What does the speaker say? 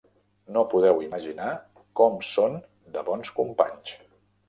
No podeu imaginar com són de bons companys.